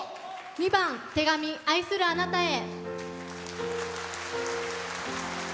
２番「手紙愛するあなたへ」。